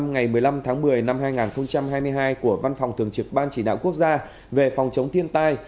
ngày một mươi năm tháng một mươi năm hai nghìn hai mươi hai của văn phòng thường trực ban chỉ đạo quốc gia về phòng chống thiên tai